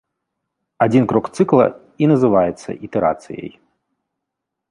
Адзін крок цыкла і называецца ітэрацыяй.